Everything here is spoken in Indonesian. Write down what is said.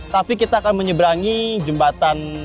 tapi kita akan menyeberangi jembatan